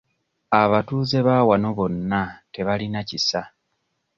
Abatuuze ba wano bonna tebalina kisa.